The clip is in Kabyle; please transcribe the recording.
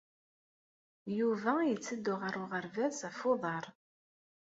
Yuba yetteddu ɣer uɣerbaz ɣef uḍar.